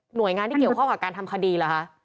โดยงานที่เกี่ยวข้องกับการทำคดีเหรอคะ